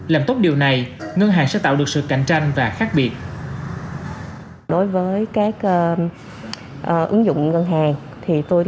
làm tốt điều này ngân hàng sẽ tạo được sự cạnh tranh và khác biệt